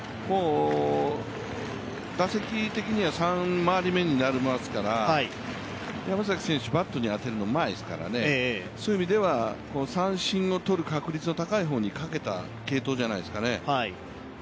打席的には３回り目になりますから山崎選手、バットに当てるのうまいですからそういう意味では三振を取る確率が高い方にかけた継投じゃないですかね。